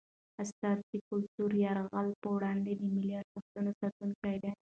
استاد د کلتوري یرغل په وړاندې د ملي ارزښتونو ساتونکی دی.